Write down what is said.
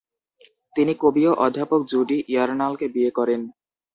তিনি কবি ও অধ্যাপক জুডি ইয়ারনালকে বিয়ে করেন।